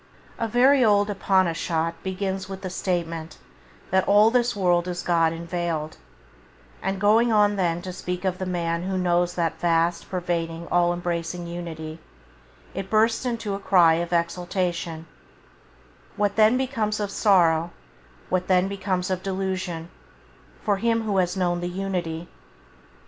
A very old Upanishat begins with the statement that all this world is God inveiled, and going on then to speak of the man who knows that vast, pervading, all embracing unity, it bursts into a cry of exultation: " What then becomes of sorrow, what then becomes of delusion, for him who has known the unity?"